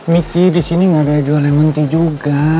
miki di sini nggak ada yang jual lemon tea juga